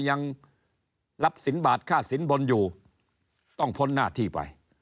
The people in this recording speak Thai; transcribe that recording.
ยังรับศิลป์บาทฆ่าศิลป์บนอยู่ต้องพ้นหน้าที่ไป